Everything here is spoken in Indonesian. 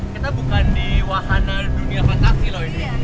kita bukan di wahana dunia fantasi loh ini